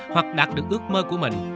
hoặc đạt được ước mơ của mình